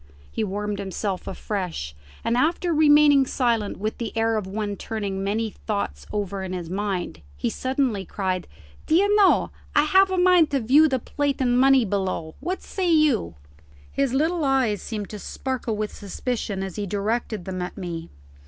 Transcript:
He warmed himself afresh, and after remaining silent with the air of one turning many thoughts over in his mind, he suddenly cried, "D'ye know I have a mind to view the plate and money below. What say you?" His little eyes seemed to sparkle with suspicion as he directed them at me.